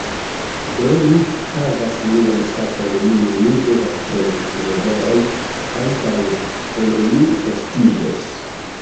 Do, mi havas mian sakon nun mi devas trovi puloveron antaŭ ol mi frostiĝos